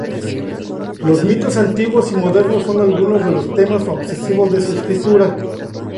Los mitos antiguos y modernos son algunos de los temas obsesivos de su escritura.